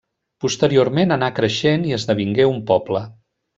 Posteriorment, anà creixent i esdevingué un poble.